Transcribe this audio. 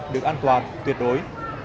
được an toàn tuyệt đối